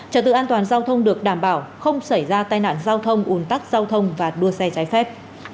trở tự an toàn giao thông được đảm bảo không xảy ra tai nạn giao thông ủn tắc giao thông và đua xe trái phép